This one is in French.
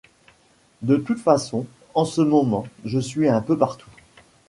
De toutes façons en ce moment je suis un peu partout.